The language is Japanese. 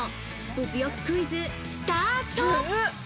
物欲クイズ、スタート！